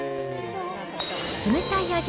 冷たい味